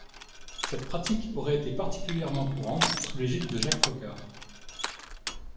Cette pratique aurait été particulièrement courante sous l'égide de Jacques Foccart.